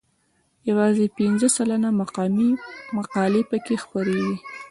یوازې پنځه سلنه مقالې پکې خپریږي.